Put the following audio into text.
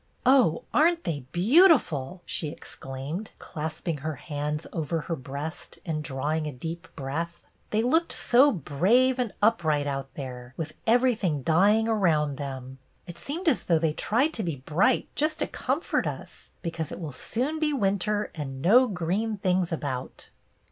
" Oh, are n't they beautiful !" she ex claimed, clasping her hands over her breast and drawing a deep breath. " They looked so brave and upright out there, with every thing dying around them. It seemed as though they tried to be bright just to com fort us, because it will soon be winter and no green things about."